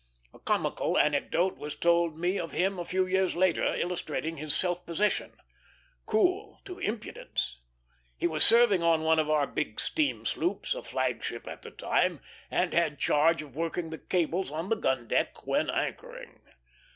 A comical anecdote was told me of him a few years later, illustrating his self possession cool to impudence. He was serving on one of our big steam sloops, a flag ship at the time, and had charge of working the cables on the gun deck when anchoring.